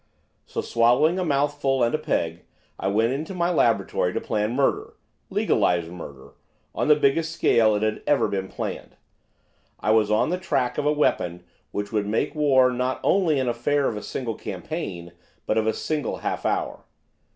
So, swallowing a mouthful and a peg, I went into my laboratory to plan murder legalised murder on the biggest scale it ever has been planned. I was on the track of a weapon which would make war not only an affair of a single campaign, but of a single half hour.